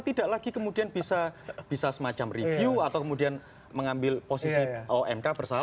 kita tidak lagi kemudian bisa semacam review atau kemudian mengambil posisi omk bersama